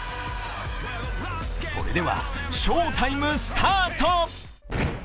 それでは、翔タイムスタート。